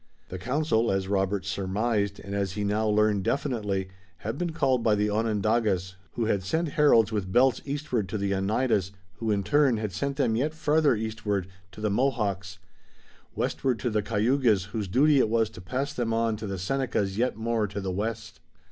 The council, as Robert surmised and as he now learned definitely, had been called by the Onondagas, who had sent heralds with belts eastward to the Oneidas, who in turn had sent them yet farther eastward to the Mohawks, westward to the Cayugas whose duty it was to pass them on to the Senecas yet more to the west.